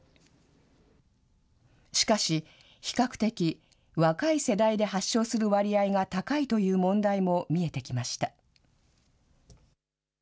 しかし、比較的若い世代で発症する割合が高いという問題も見えてきました。